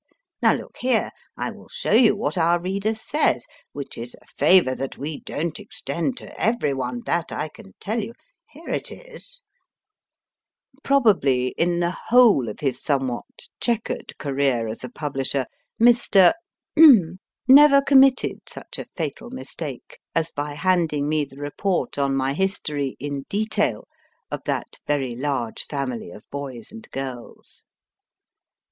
Now look here, I will show you what our reader says which is a favour that we don t extend to everyone, that I can tell you. Here it is ! THE TWINS BOOTLES AND BETTY (From photographs by //. .S. Mendelssohn ) Probably in the whole of his somewhat chequered career as a publisher, Mr. never committed such a fatal mistake as by handing me the report on my history (in detail) of that very large family of boys and girls.